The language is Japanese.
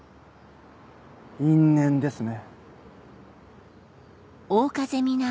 因縁ですね。